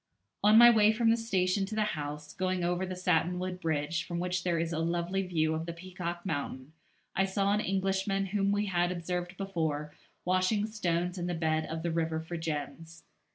On my way from the station to the house, going over the Satinwood Bridge, from which there is a lovely view of the Peacock Mountain, I saw an Englishman whom we had observed before, washing stones in the bed of the river for gems.